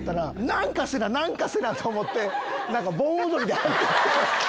何かせな何かせな！と思って盆踊りで入っていった。